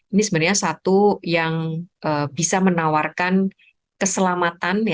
ini sebenarnya satu yang bisa menawarkan keselamatan